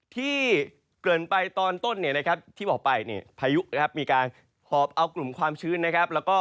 ที่เกินไปตอนต้นเนี่ยนะครับที่บอกไปเนี่ยพายุนะครับมีการหอบเอากลุ่มความชื้นนะครับ